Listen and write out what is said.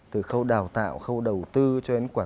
từ khâu đào tạo khâu đầu tư cho đến